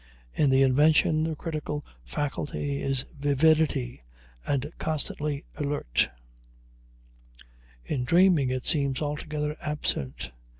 In the invention, the critical faculty is vividly and constantly alert; in dreaming, it seems altogether absent.